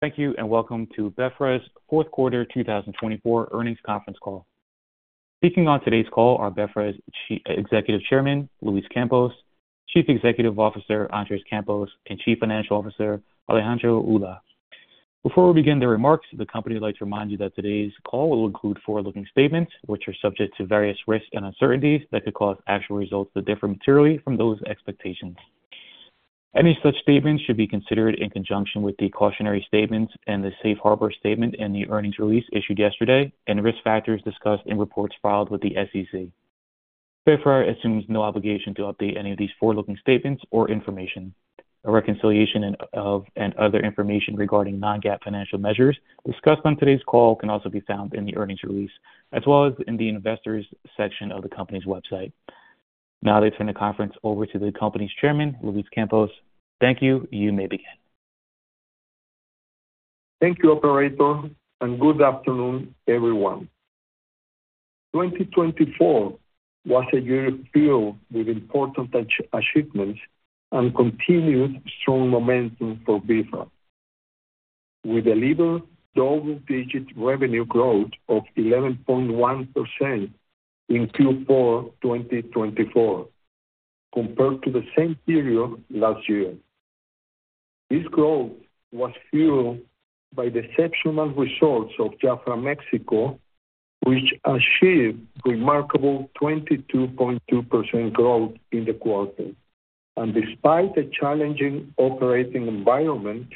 Thank you, and welcome to BeFra's fourth quarter 2024 earnings conference call. Speaking on today's call are BeFra's Executive Chairman, Luis Campos, Chief Executive Officer, Andres Campos, and Chief Financial Officer, Alejandro Ulloa. Before we begin the remarks, the company would like to remind you that today's call will include forward-looking statements which are subject to various risks and uncertainties that could cause actual results to differ materially from those expectations. Any such statements should be considered in conjunction with the cautionary statements and the safe harbor statement in the earnings release issued yesterday, and risk factors discussed in reports filed with the SEC. BeFra assumes no obligation to update any of these forward-looking statements or information. A reconciliation of and other information regarding non-GAAP financial measures discussed on today's call can also be found in the earnings release, as well as in the investors' section of the company's website. Now, I'd like to turn the conference over to the company's Chairman, Luis Campos. Thank you. You may begin. Thank you, Operator, and good afternoon, everyone. 2024 was a year filled with important achievements and continued strong momentum for BeFra with a leader's double-digit revenue growth of 11.1% in Q4 2024, compared to the same period last year. This growth was fueled by the exceptional results of JAFRA Mexico, which achieved remarkable 22.2% growth in the quarter. Despite a challenging operating environment,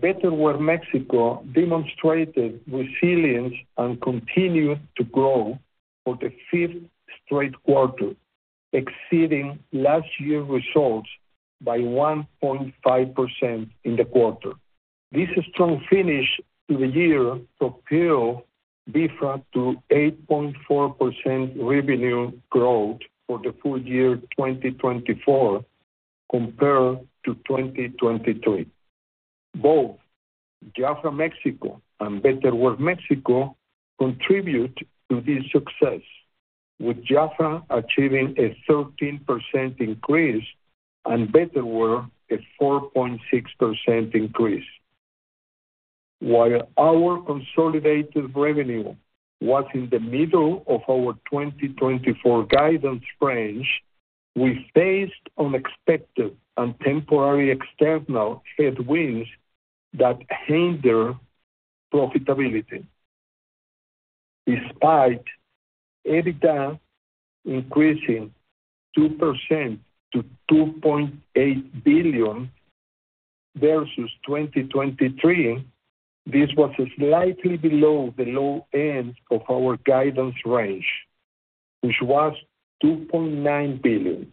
Betterware Mexico demonstrated resilience and continued to grow for the fifth straight quarter, exceeding last year's results by 1.5% in the quarter. This strong finish to the year propelled BeFra to 8.4% revenue growth for the full year 2024, compared to 2023. Both JAFRAMexico and Betterware Mexico contribute to this success, with JAFRA achieving a 13% increase and Betterware a 4.6% increase. While our consolidated revenue was in the middle of our 2024 guidance range, we faced unexpected and temporary external headwinds that hindered profitability. Despite EBITDA increasing 2% to 2.8 billion versus 2023, this was slightly below the low end of our guidance range, which was 2.9 billion.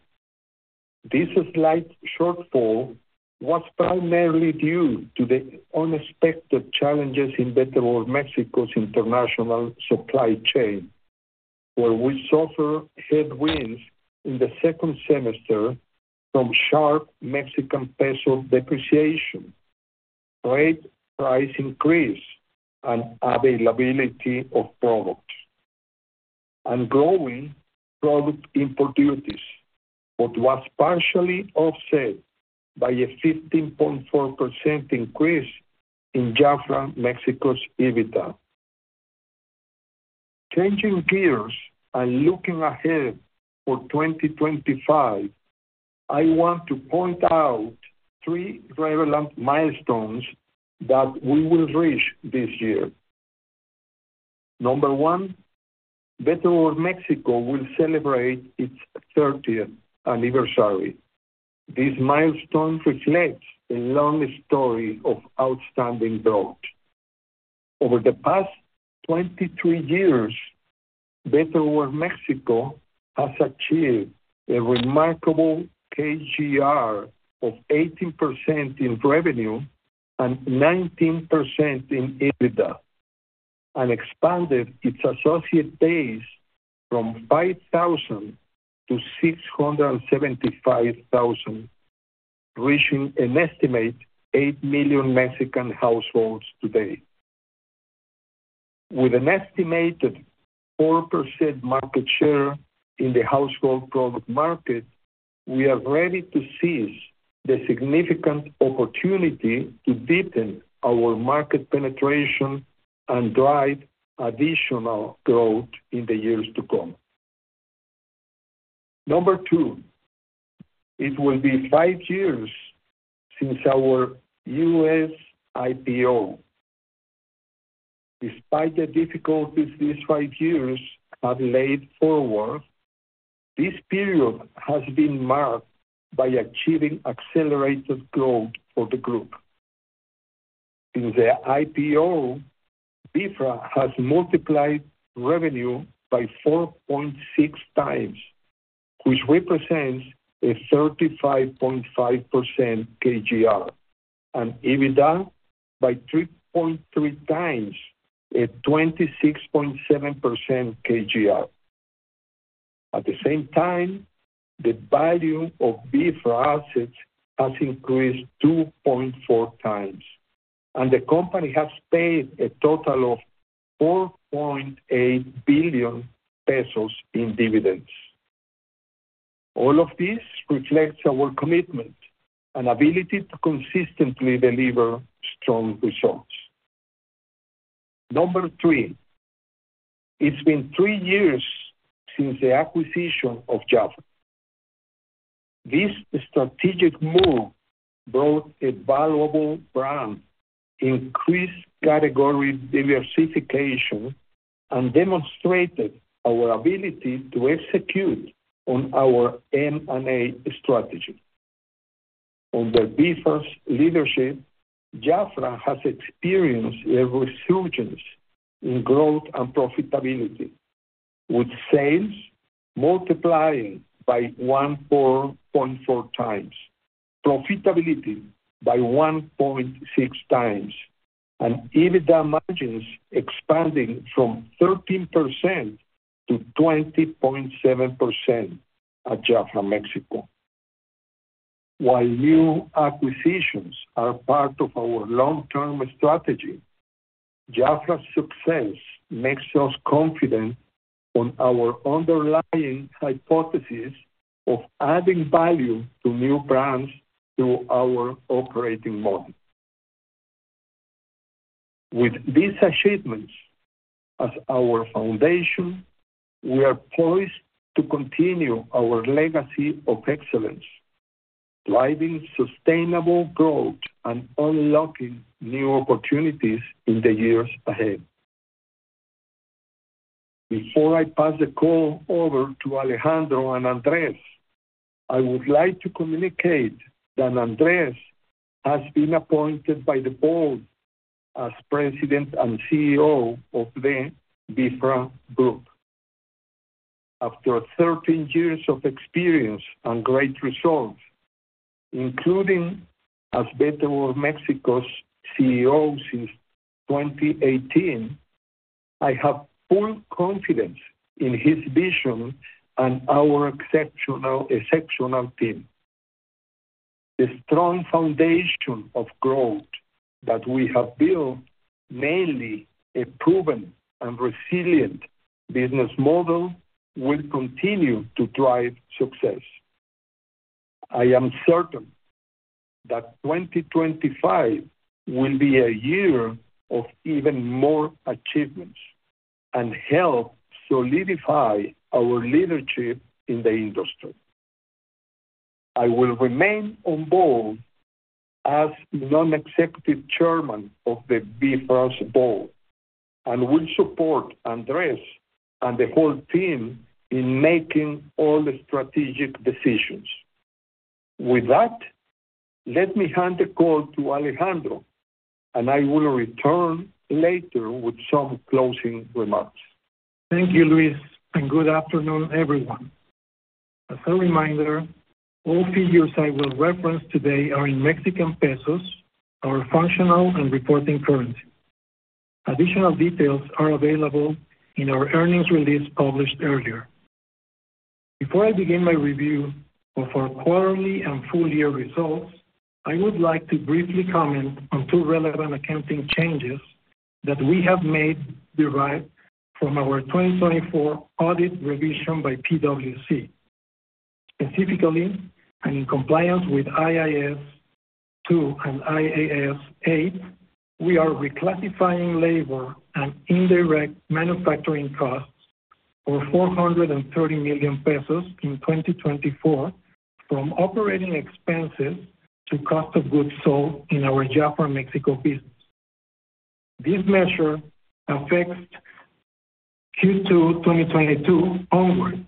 This slight shortfall was primarily due to the unexpected challenges in Betterware Mexico's international supply chain, where we suffered headwinds in the second semester from sharp Mexican peso depreciation, rate price increase, and availability of products, and growing product import duties, which was partially offset by a 15.4% increase in JAFRA Mexico's EBITDA. Changing gears and looking ahead for 2025, I want to point out three relevant milestones that we will reach this year. Number one, Betterware Mexico will celebrate its 30th anniversary. This milestone reflects a long story of outstanding growth. Over the past 23 years, Betterware Mexico has achieved a remarkable CAGR of 18% in revenue and 19% in EBITDA, and expanded its associate base from 5,000-675,000, reaching an estimate of 8 million Mexican households today. With an estimated 4% market share in the household product market, we are ready to seize the significant opportunity to deepen our market penetration and drive additional growth in the years to come. Number two, it will be five years since our U.S. IPO. Despite the difficulties these five years have laid forth, this period has been marked by achieving accelerated growth for the group. Since the IPO, BeFra has multiplied revenue by 4.6 times, which represents a 35.5% CAGR, and EBITDA by 3.3 times, a 26.7% CAGR. At the same time, the value of BeFra assets has increased 2.4 times, and the company has paid a total of 4.8 billion pesos in dividends. All of this reflects our commitment and ability to consistently deliver strong results. Number three, it's been three years since the acquisition of JAFRA. This strategic move brought a valuable brand, increased category diversification, and demonstrated our ability to execute on our M&A strategy. Under BeFra's leadership, JAFRA has experienced a resurgence in growth and profitability, with sales multiplying by 1.4 times, profitability by 1.6 times, and EBITDA margins expanding from 13%-20.7% at JAFRA Mexico. While new acquisitions are part of our long-term strategy, JAFRA's success makes us confident on our underlying hypothesis of adding value to new brands through our operating model. With these achievements as our foundation, we are poised to continue our legacy of excellence, driving sustainable growth and unlocking new opportunities in the years ahead. Before I pass the call over to Alejandro and Andres, I would like to communicate that Andres has been appointed by the board as President and CEO of the BeFra Group. After 13 years of experience and great results, including as Betterware Mexico's CEO since 2018, I have full confidence in his vision and our exceptional team. The strong foundation of growth that we have built, mainly a proven and resilient business model, will continue to drive success. I am certain that 2025 will be a year of even more achievements and help solidify our leadership in the industry. I will remain on board as non-executive chairman of BeFra's board and will support Andres and the whole team in making all the strategic decisions. With that, let me hand the call to Alejandro, and I will return later with some closing remarks. Thank you, Luis, and good afternoon, everyone. As a reminder, all figures I will reference today are in MXN, our functional and reporting currency. Additional details are available in our earnings release published earlier. Before I begin my review of our quarterly and full-year results, I would like to briefly comment on two relevant accounting changes that we have made derived from our 2024 audit revision by PwC. Specifically, and in compliance with IAS 2 and IAS 8, we are reclassifying labor and indirect manufacturing costs for 430 million pesos in 2024 from operating expenses to cost of goods sold in our JAFRA Mexico business. This measure affects Q2 2022 onward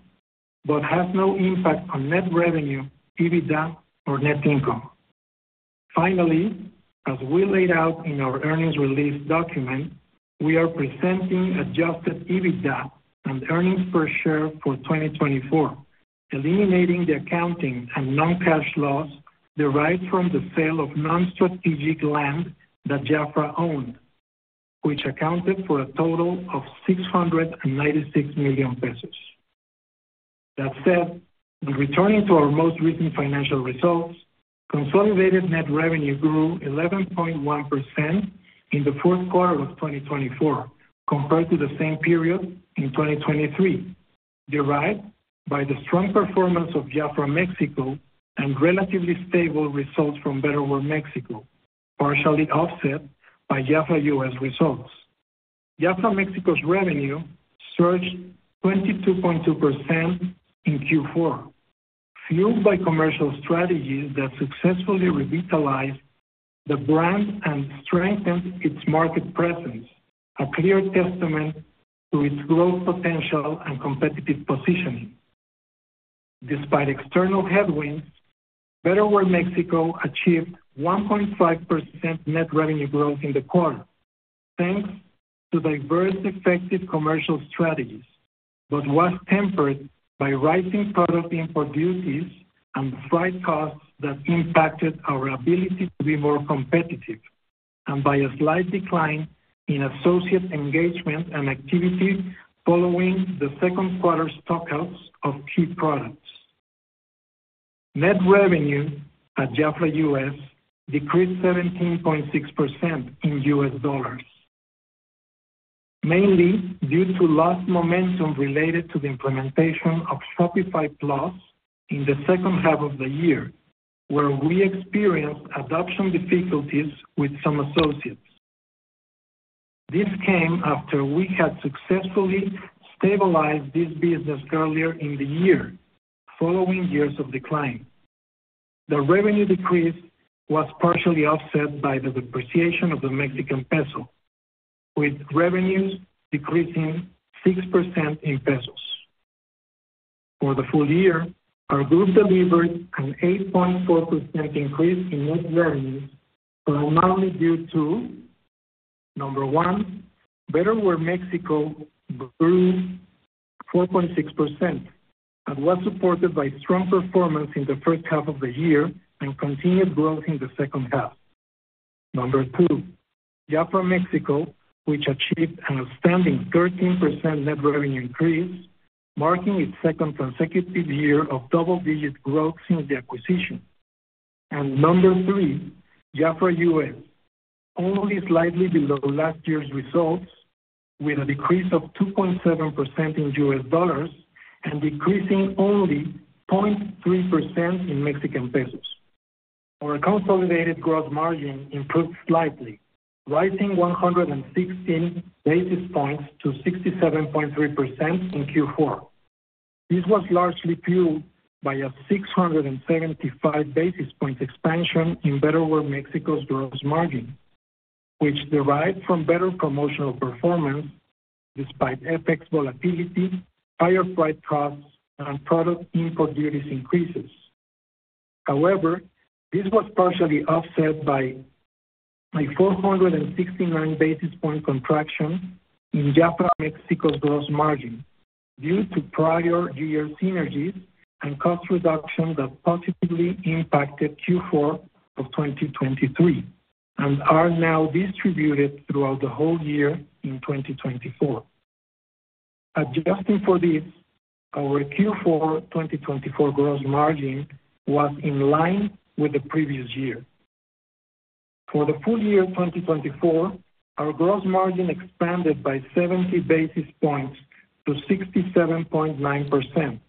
but has no impact on net revenue, EBITDA, or net income. Finally, as we laid out in our earnings release document, we are presenting adjusted EBITDA and earnings per share for 2024, eliminating the accounting and non-cash loss derived from the sale of non-strategic land that JAFRA owned, which accounted for a total of 696 million pesos. That said, returning to our most recent financial results, consolidated net revenue grew 11.1% in the fourth quarter of 2024 compared to the same period in 2023, derived by the strong performance of JAFRA Mexico, and relatively stable results from Betterware Mexico, partially offset by JAFRA U.S. results. JAFRA Mexico's revenue surged 22.2% in Q4, fueled by commercial strategies that successfully revitalized the brand and strengthened its market presence, a clear testament to its growth potential and competitive positioning. Despite external headwinds, Betterware Mexico achieved 1.5% net revenue growth in the quarter thanks to diverse effective commercial strategies but was tempered by rising product import duties and strike costs that impacted our ability to be more competitive, and by a slight decline in associate engagement and activity following the second quarter stockouts of key products. Net revenue at JAFRA U.S. decreased 17.6% in US dollars, mainly due to lost momentum related to the implementation of Shopify Plus in the second half of the year, where we experienced adoption difficulties with some associates. This came after we had successfully stabilized this business earlier in the year, following years of decline. The revenue decrease was partially offset by the depreciation of the Mexican peso with revenues decreasing 6% in pesos. For the full year, our group delivered an 8.4% increase in net revenues, primarily due to, number one, Betterware Mexico grew 4.6% and was supported by strong performance in the first half of the year and continued growth in the second half. Number two, JAFRA Mexico, which achieved an outstanding 13% net revenue increase, marking its second consecutive year of double-digit growth since the acquisition. Number three, JAFRA U.S., only slightly below last year's results, with a decrease of 2.7% in US dollars and decreasing only 0.3% in Mexican pesos. Our consolidated gross margin improved slightly, rising 116 basis points to 67.3% in Q4. This was largely fueled by a 675 basis point expansion in Betterware Mexico's gross margin, which derived from better promotional performance despite FX volatility, higher strike costs, and product import duties increases. However, this was partially offset by a 469 basis point contraction in JAFRA Mexico's gross margin due to prior year synergies and cost reduction that positively impacted Q4 of 2023 and are now distributed throughout the whole year in 2024. Adjusting for this, our Q4 2024 gross margin was in line with the previous year. For the full year 2024, our gross margin expanded by 70 basis points to 67.9%,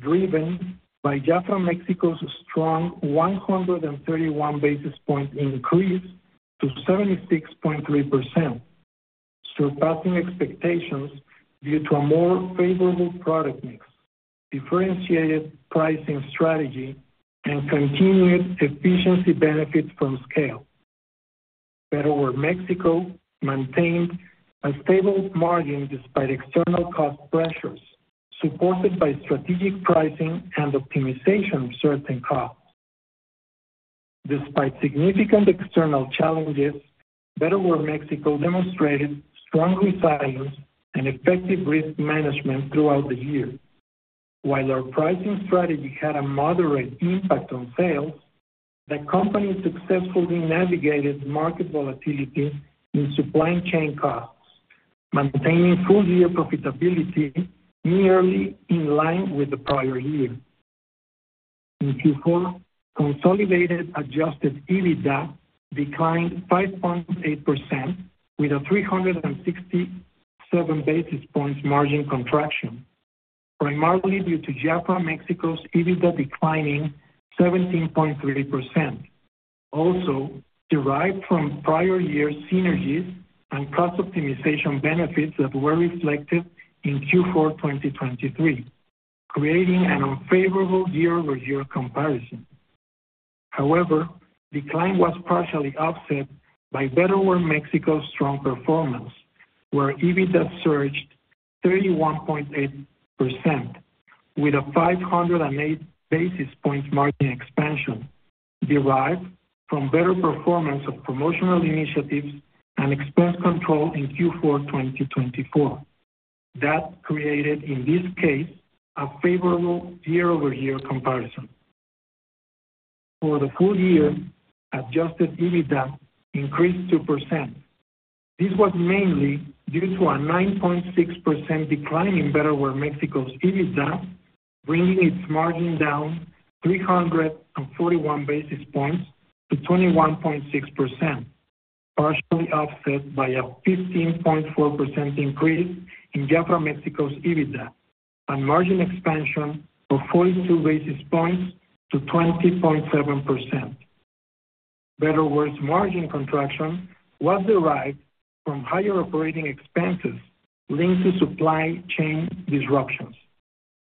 driven by JAFRA Mexico's strong 131 basis point increase to 76.3%, surpassing expectations due to a more favorable product mix, differentiated pricing strategy, and continued efficiency benefits from scale. Betterware Mexico maintained a stable margin despite external cost pressures, supported by strategic pricing and optimization of certain costs. Despite significant external challenges, Betterware Mexico demonstrated strong resilience and effective risk management throughout the year. While our pricing strategy had a moderate impact on sales, the company successfully navigated market volatility in supply chain costs, maintaining full-year profitability nearly in line with the prior year. In Q4, consolidated adjusted EBITDA declined 5.8% with a 367 basis point margin contraction, primarily due to JAFRA Mexico's EBITDA declining 17.3%, also derived from prior year synergies and cost optimization benefits that were reflected in Q4 2023, creating an unfavorable year-over-year comparison. However, decline was partially offset by Betterware Mexico's strong performance, where EBITDA surged 31.8% with a 508 basis point margin expansion derived from better performance of promotional initiatives and expense control in Q4 2024 that created, in this case, a favorable year-over-year comparison. For the full year, adjusted EBITDA increased 2%. This was mainly due to a 9.6% decline in Betterware Mexico's EBITDA, bringing its margin down 341 basis points to 21.6%, partially offset by a 15.4% increase in JAFRA Mexico's EBITDA and margin expansion of 42 basis points to 20.7%. Betterware's margin contraction was derived from higher operating expenses linked to supply chain disruptions,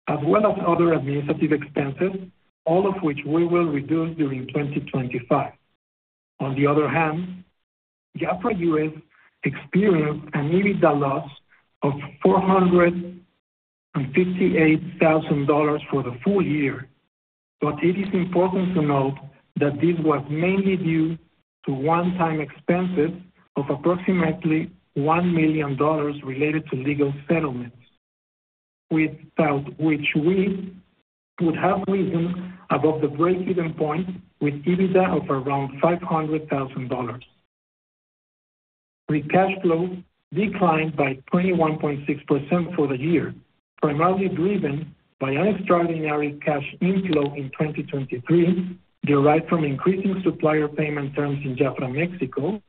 as well as other administrative expenses, all of which we will reduce during 2025. On the other hand, JAFRA U.S. experienced an EBITDA loss of $458,000 for the full year, but it is important to note that this was mainly due to one-time expenses of approximately $1 million related to legal settlements, without which we would have risen above the break-even point with EBITDA of around $500,000. The cash flow declined by 21.6% for the year, primarily driven by an extraordinary cash inflow in 2023 derived from increasing supplier payment terms in JAFRA Mexico,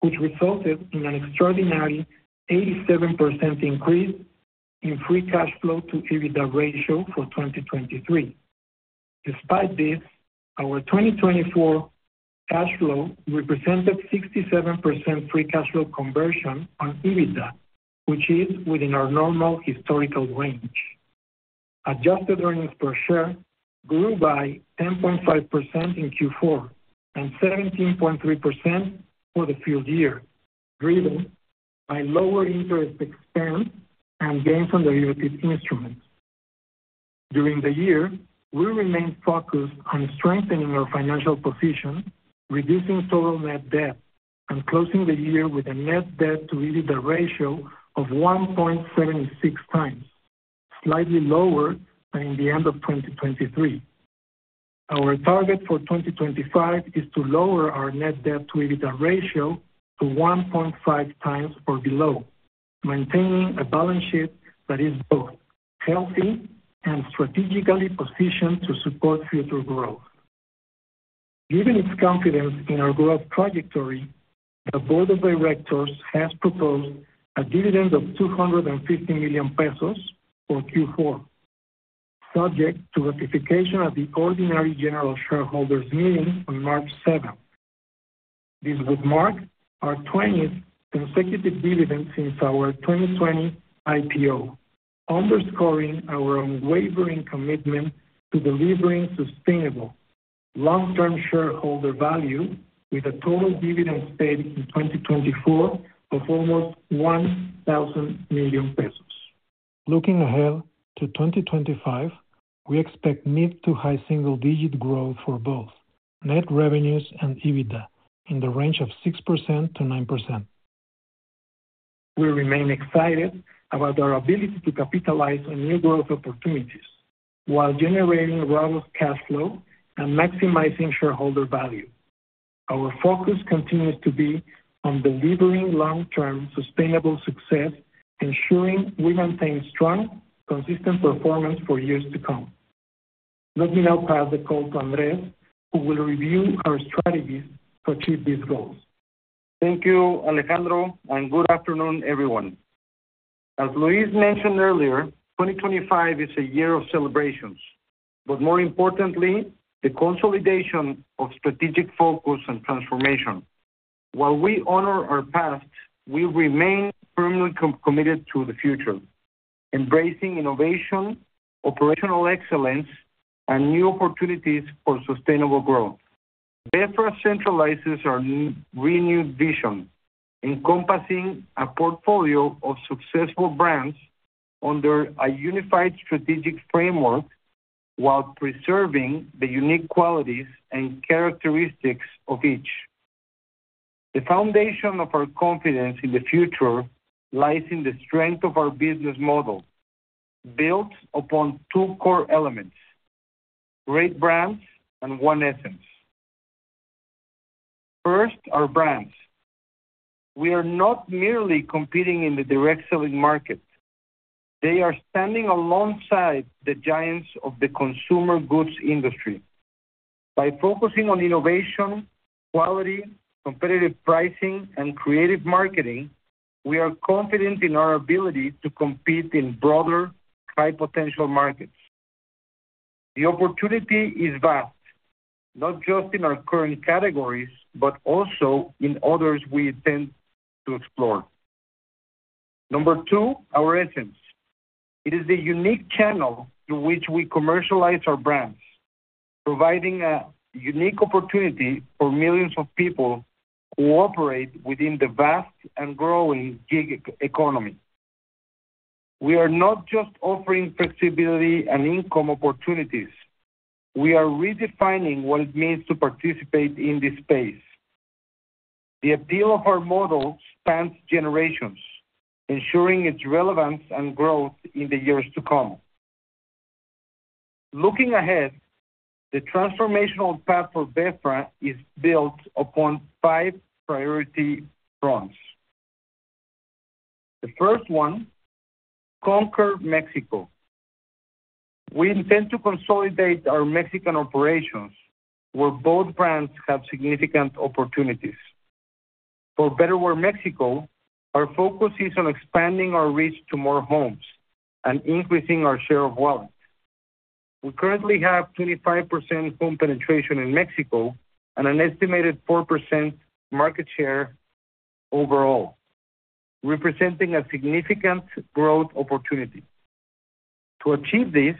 which resulted in an extraordinary 87% increase in free cash flow to EBITDA ratio for 2023. Despite this, our 2024 cash flow represented 67% free cash flow conversion on EBITDA, which is within our normal historical range. Adjusted earnings per share grew by 10.5% in Q4 and 17.3% for the full year, driven by lower interest expense and gains on derivative instruments. During the year, we remained focused on strengthening our financial position, reducing total net debt, and closing the year with a net debt to EBITDA ratio of 1.76 times, slightly lower than in the end of 2023. Our target for 2025 is to lower our net debt to EBITDA ratio to 1.5 times or below, maintaining a balance sheet that is both healthy and strategically positioned to support future growth. Given its confidence in our growth trajectory, the board of directors has proposed a dividend of 250 million pesos for Q4, subject to ratification at the Ordinary General Shareholders' Meeting on March 7. This would mark our 20th consecutive dividend since our 2020 IPO, underscoring our unwavering commitment to delivering sustainable long-term shareholder value with a total dividend stated in 2024 of almost 1,000 million pesos. Looking ahead to 2025, we expect mid to high single-digit growth for both net revenues and EBITDA in the range of 6%-9%. We remain excited about our ability to capitalize on new growth opportunities while generating robust cash flow and maximizing shareholder value. Our focus continues to be on delivering long-term sustainable success, ensuring we maintain strong, consistent performance for years to come. Let me now pass the call to Andres, who will review our strategies to achieve these goals. Thank you, Alejandro, and good afternoon, everyone. As Luis mentioned earlier, 2025 is a year of celebrations, but more importantly, the consolidation of strategic focus and transformation. While we honor our past, we remain firmly committed to the future, embracing innovation, operational excellence, and new opportunities for sustainable growth. BeFra centralizes our renewed vision, encompassing a portfolio of successful brands under a unified strategic framework while preserving the unique qualities and characteristics of each. The foundation of our confidence in the future lies in the strength of our business model, built upon two core elements: great brands and one essence. First, our brands. We are not merely competing in the direct selling market. They are standing alongside the giants of the consumer goods industry. By focusing on innovation, quality, competitive pricing, and creative marketing, we are confident in our ability to compete in broader, high-potential markets. The opportunity is vast, not just in our current categories, but also in others we intend to explore. Number two, our essence. It is the unique channel through which we commercialize our brands, providing a unique opportunity for millions of people who operate within the vast and growing gig economy. We are not just offering flexibility and income opportunities; we are redefining what it means to participate in this space. The appeal of our model spans generations, ensuring its relevance and growth in the years to come. Looking ahead, the transformational path for BeFra is built upon five priority fronts. The first one, conquer Mexico. We intend to consolidate our Mexican operations, where both brands have significant opportunities. For Betterware Mexico, our focus is on expanding our reach to more homes and increasing our share of wallet. We currently have 25% home penetration in Mexico and an estimated 4% market share overall, representing a significant growth opportunity. To achieve this,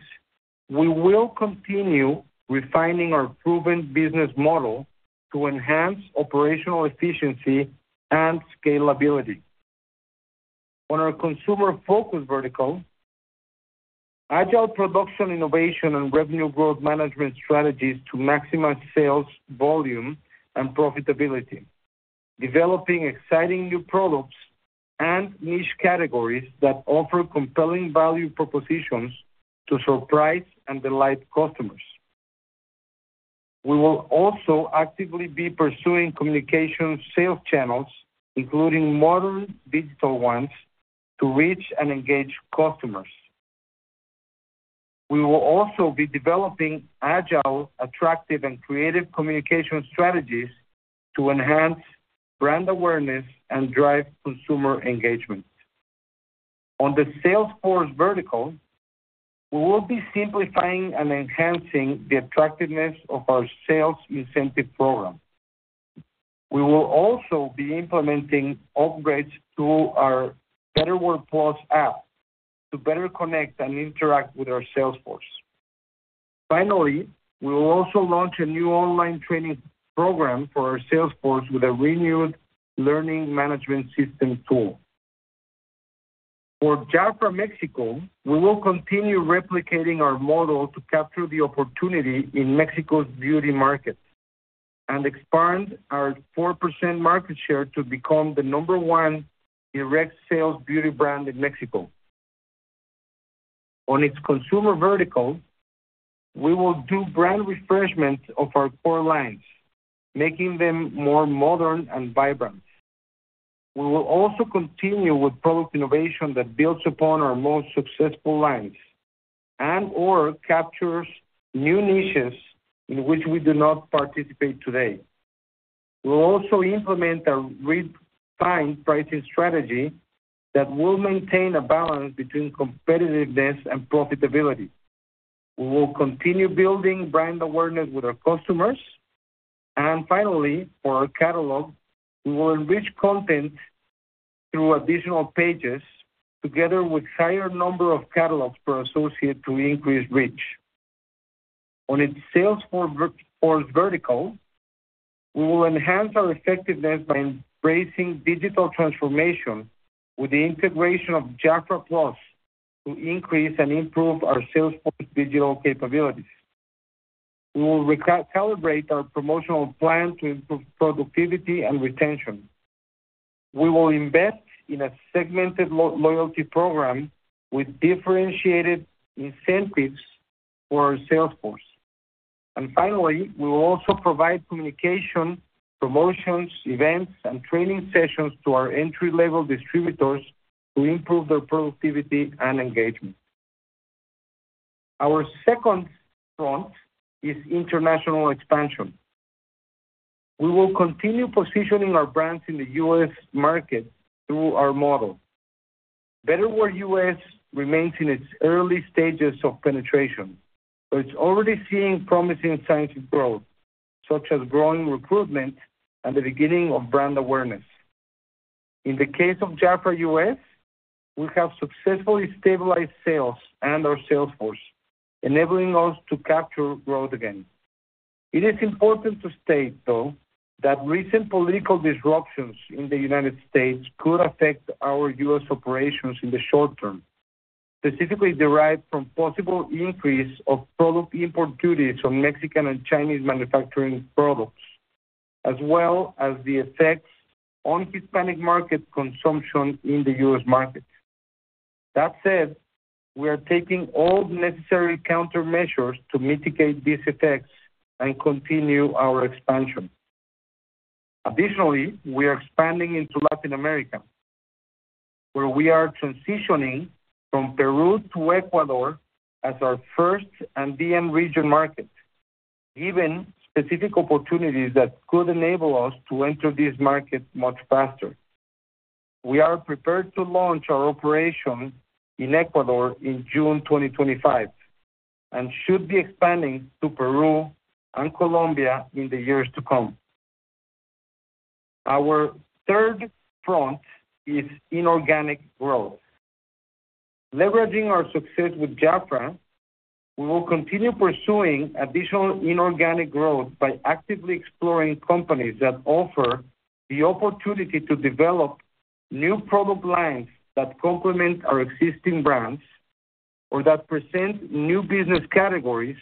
we will continue refining our proven business model to enhance operational efficiency and scalability. On our consumer-focused vertical, agile production innovation and revenue growth management strategies to maximize sales volume and profitability, developing exciting new products and niche categories that offer compelling value propositions to surprise and delight customers. We will also actively be pursuing communication sales channels, including modern digital ones, to reach and engage customers. We will also be developing agile, attractive, and creative communication strategies to enhance brand awareness and drive consumer engagement. On the sales force vertical, we will be simplifying and enhancing the attractiveness of our sales incentive program. We will also be implementing upgrades to our Betterware Plus app to better connect and interact with our sales force. Finally, we will also launch a new online training program for our sales force with a renewed learning management system tool. For JAFRA Mexico, we will continue replicating our model to capture the opportunity in Mexico's beauty market and expand our 4% market share to become the number one direct sales beauty brand in Mexico. On its consumer vertical, we will do brand refreshments of our core lines, making them more modern and vibrant. We will also continue with product innovation that builds upon our most successful lines and/or captures new niches in which we do not participate today. We will also implement a refined pricing strategy that will maintain a balance between competitiveness and profitability. We will continue building brand awareness with our customers. Finally, for our catalog, we will enrich content through additional pages together with a higher number of catalogs associated to increase reach. On its sales force vertical, we will enhance our effectiveness by embracing digital transformation with the integration of JAFRA Plus to increase and improve our sales force digital capabilities. We will recalibrate our promotional plan to improve productivity and retention. We will invest in a segmented loyalty program with differentiated incentives for our sales force. Finally, we will also provide communication, promotions, events, and training sessions to our entry-level distributors to improve their productivity and engagement. Our second front is international expansion. We will continue positioning our brands in the U.S. market through our model. Betterware U.S. remains in its early stages of penetration, but it's already seeing promising signs of growth, such as growing recruitment and the beginning of brand awareness. In the case of JAFRA U.S., we have successfully stabilized sales and our sales force, enabling us to capture growth again. It is important to state, though, that recent political disruptions in the United States could affect our U.S. operations in the short term, specifically derived from possible increase of product import duties on Mexican and Chinese manufacturing products, as well as the effects on Hispanic market consumption in the US market. That said, we are taking all necessary countermeasures to mitigate these effects and continue our expansion. Additionally, we are expanding into Latin America, where we are transitioning from Peru to Ecuador as our first Andean region market, given specific opportunities that could enable us to enter this market much faster. We are prepared to launch our operation in Ecuador in June 2025 and should be expanding to Peru and Colombia in the years to come. Our third front is inorganic growth. Leveraging our success with JAFRA, we will continue pursuing additional inorganic growth by actively exploring companies that offer the opportunity to develop new product lines that complement our existing brands, or that present new business categories,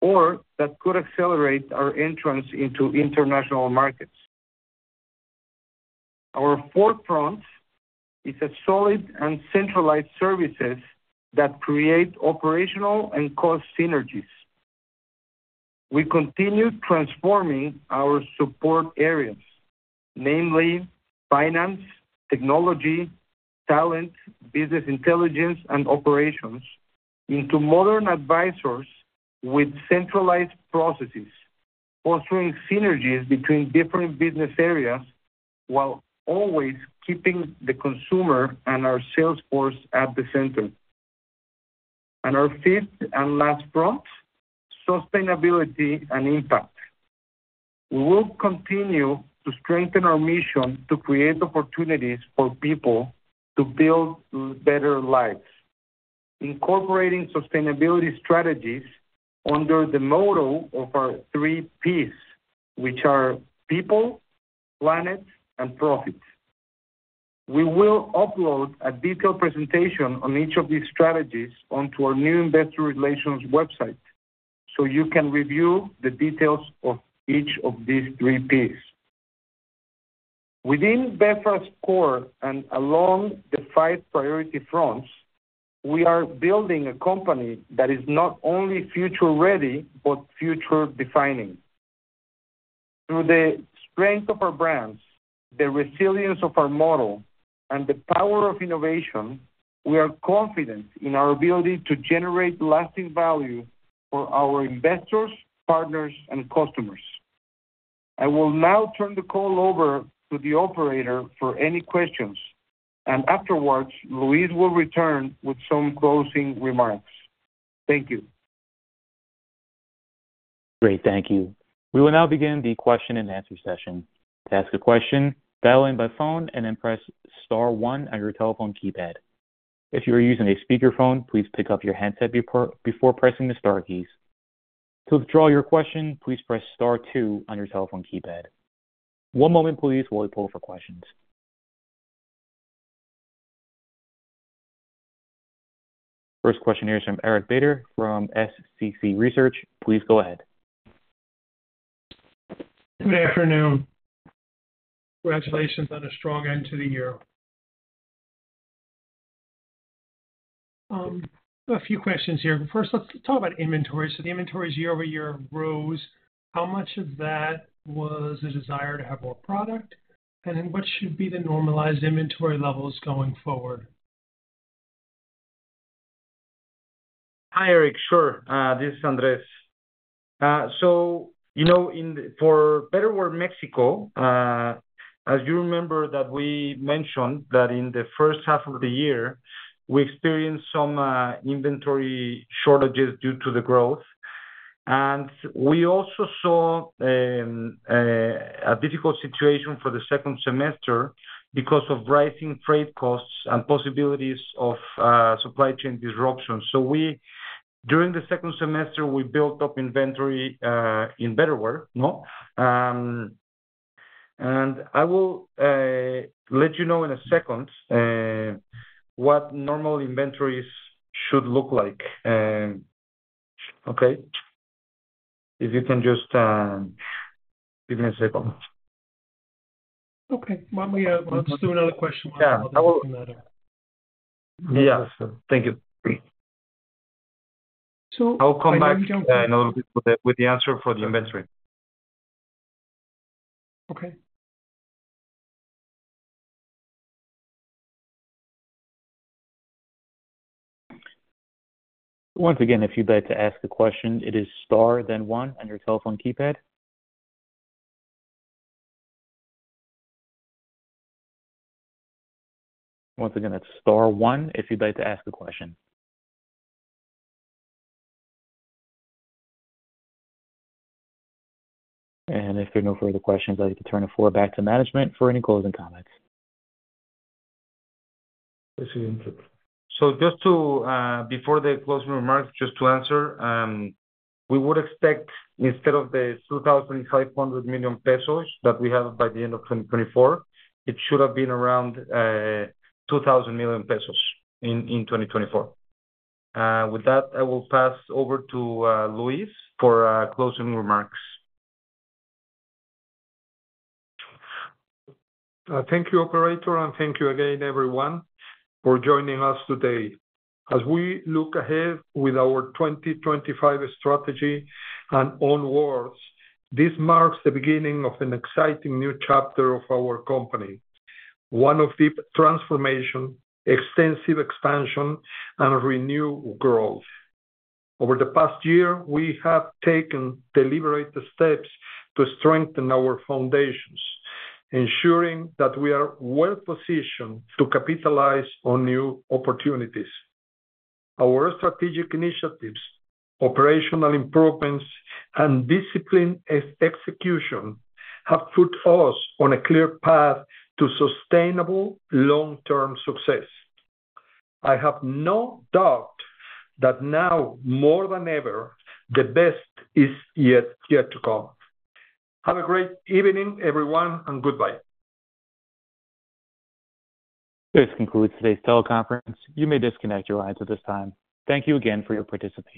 or that could accelerate our entrance into international markets. Our fourth front is solid and centralized services that create operational and cost synergies. We continue transforming our support areas, namely finance, technology, talent, business intelligence, and operations, into modern advisors with centralized processes, fostering synergies between different business areas while always keeping the consumer and our sales force at the center. Our fifth and last front is sustainability and impact. We will continue to strengthen our mission to create opportunities for people to build better lives, incorporating sustainability strategies under the model of our three Ps, which are people, planet, and profit. We will upload a detailed presentation on each of these strategies onto our new investor relations website so you can review the details of each of these three Ps. Within Betterware's core and along the five priority fronts, we are building a company that is not only future-ready but future-defining. Through the strength of our brands, the resilience of our model, and the power of innovation, we are confident in our ability to generate lasting value for our investors, partners, and customers. I will now turn the call over to the operator for any questions, and afterwards, Luis will return with some closing remarks. Thank you. Great. Thank you. We will now begin the question and answer session. To ask a question, dial in by phone and then press star one on your telephone keypad. If you are using a speakerphone, please pick up your handset before pressing the Star keys. To withdraw your question, please press star two on your telephone keypad. One moment, please, while we pull for questions. First question here is from Eric Beder from SCC Research. Please go ahead. Good afternoon. Congratulations on a strong end to the year. A few questions here. First, let's talk about inventory. The inventory is year-over-year rose. How much of that was a desire to have more product? What should be the normalized inventory levels going forward? Hi, Eric. Sure. This is Andres. For Betterware Mexico, as you remember that we mentioned that in the first half of the year, we experienced some inventory shortages due to the growth. We also saw a difficult situation for the second semester because of rising freight costs and possibilities of supply chain disruption. During the second semester, we built up inventory in Betterware. I will let you know in a second what normal inventories should look like. If you can just give me a second. Let's do another question while I'm looking at it. Thank you. I'll come back in a little bit with the answer for the inventory. Once again, if you'd like to ask a question, it is star then one on your telephone keypad. Once again, that's Star 1 if you'd like to ask a question. If there are no further questions, I'd like to turn the floor back to management for any closing comments. Just before the closing remarks, just to answer, we would expect instead of the 2,500 million pesos that we have by the end of 2024, it should have been around 2,000 million pesos in 2024. With that, I will pass over to Luis for closing remarks. Thank you, Operator, and thank you again, everyone, for joining us today. As we look ahead with our 2025 strategy and onwards, this marks the beginning of an exciting new chapter of our company, one of deep transformation, extensive expansion, and renewed growth. Over the past year, we have taken deliberate steps to strengthen our foundations, ensuring that we are well-positioned to capitalize on new opportunities. Our strategic initiatives, operational improvements, and disciplined execution have put us on a clear path to sustainable long-term success. I have no doubt that now, more than ever, the best is yet to come. Have a great evening, everyone, and goodbye. This concludes today's teleconference. You may disconnect your lines at this time. Thank you again for your participation.